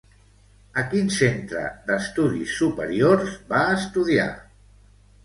A quin centre d'estudis superiors va estudiar?